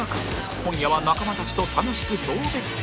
今夜は仲間たちと楽しく送別会